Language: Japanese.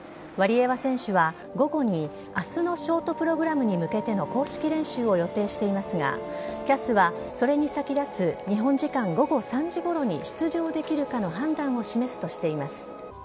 ワリエワ選手は、午後にあすのショートプログラムに向けての公式練習を予定していますが、ＣＡＳはそれに先立つ日本時間午後３時ごろに出場できるかの判断を示すとしています。